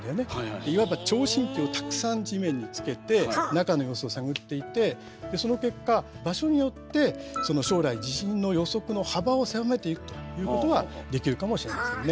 いわば聴診器をたくさん地面につけて中の様子を探っていてその結果場所によって将来地震の予測の幅を狭めていくということはできるかもしれませんね。